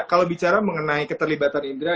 kalau bicara mengenai keterlibatan indra